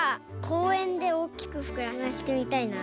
こうえんでおっきくふくらましてみたいな。